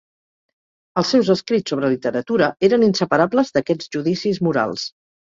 Els seus escrits sobre literatura eren inseparables d'aquests judicis morals.